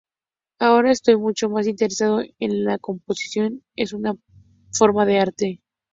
Ahora estoy mucho más interesado en que la composición es una forma de arte.